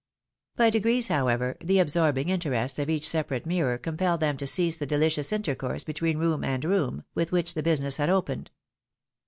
By degrees, however, the absorbing interests of each sepa rate mirror compelled them to cease the deUcious intercourse between room and room, with which the business had opened.